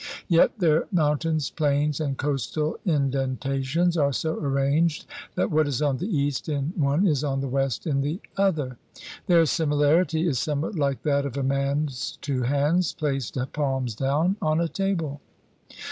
Yet their mountains, plains, and coastal indenta tions are so arranged that what is on the east in one is on the west in the other. Their similarity is somewhat like that of a man's two hands placed palms down on a table.